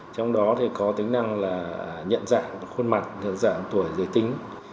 trong đó thì có tính năng là nhận dạng khuôn mặt dạng tuổi giới tính